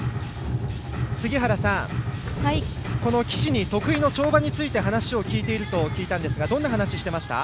杉原さん、この岸に得意な跳馬について話を聞いていると聞いたんですがどんな話をしていました？